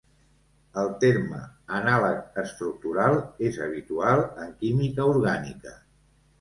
El terme "anàleg estructural" és habitual en química orgànica.